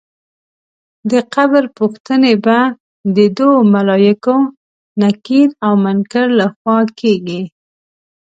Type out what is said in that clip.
د قبر پوښتنې به د دوو ملایکو نکیر او منکر له خوا کېږي.